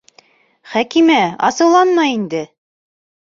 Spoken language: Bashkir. Хәкимә, асыуланма инде!